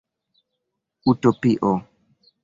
Utopio